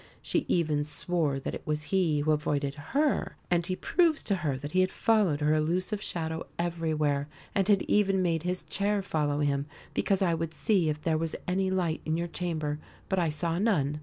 She even swore that it was he who avoided her; and he proves to her that he had followed her elusive shadow everywhere, and had even "made his chair follow him, because I would see if there was any light in your chamber, but I saw none."